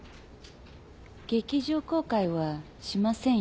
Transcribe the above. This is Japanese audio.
劇場公開はしませんヨ。